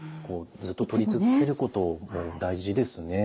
ずっと取り続けることも大事ですね。